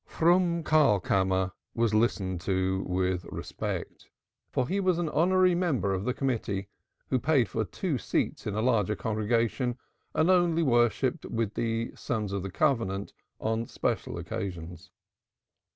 Froom Karlkammer was listened to with respect, for he was an honorary member of the committee, who paid for two seats in a larger congregation and only worshipped with the Sons of the Covenant on special occasions.